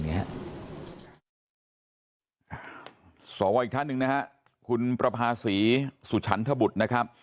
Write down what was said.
สวัสดีครับอีกท่านหนึ่งคุณประภาษีสุชันธบุตร